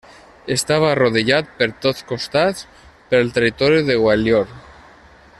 Estava rodejat per tots costats per territori de Gwalior.